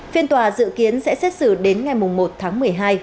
phiên tòa dự kiến sẽ xét xử đến ngày một tháng một mươi hai